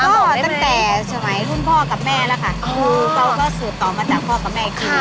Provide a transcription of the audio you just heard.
ก็ตั้งแต่ชมัยทุ่มพ่อกับแม่แล้วค่ะ